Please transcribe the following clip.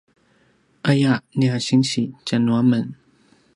aya nia sinsi tjanuamen